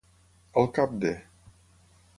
Al cap de.